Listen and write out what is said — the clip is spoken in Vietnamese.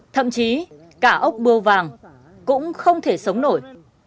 thậm chí cả ốc bưu vàng cũng không thể sống nổi